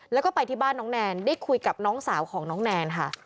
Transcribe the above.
แล้วก็ไปที่บ้านน้องแนนได้คุยกับน้องสาวของน้องแนนค่ะ